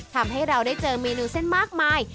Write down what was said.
ทำให้เราได้เจอเมนูเส้นมากมาย